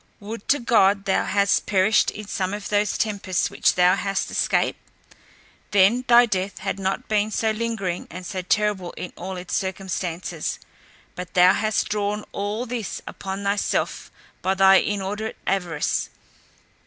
Would to God thou hadst perished in some of those tempests which thou hast escaped! then thy death had not been so lingering, and so terrible in all its circumstances. But thou hast drawn all this upon thyself by thy inordinate avarice.